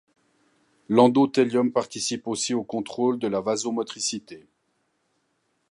L'endothélium participe aussi au contrôle de la vasomotricité.